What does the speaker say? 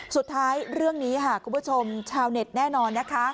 สุดท้ายเรื่องนี้ค่ะคุณผู้ชมชาวเน็ตแน่นอนนะคะ